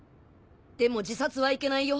でも自殺はいけないよ！